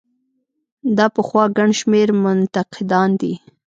دا پخوا ګڼ شمېر منتقدان دي.